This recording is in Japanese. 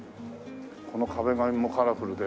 この壁紙もカラフルで。